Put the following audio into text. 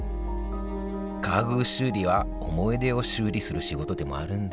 家具修理は思い出を修理する仕事でもあるんだね